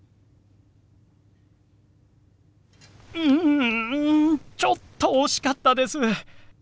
うんちょっと惜しかったです。